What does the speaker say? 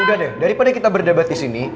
udah deh daripada kita berdebat disini